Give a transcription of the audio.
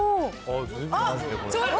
あっ、ちょっと。